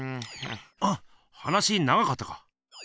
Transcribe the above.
あっ話長かったか？